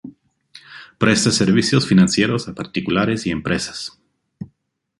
Presta servicios financieros a particulares y empresas.